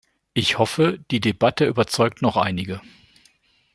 Ich hoffe, die Debatte überzeugt noch einige.